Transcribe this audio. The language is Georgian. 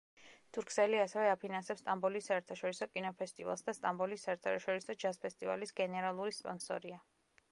თურქსელი ასევე აფინანსებს სტამბოლის საერთაშორისო კინოფესტივალს და სტამბოლის საერთაშორისო ჯაზ-ფესტივალის გენერალური სპონსორია.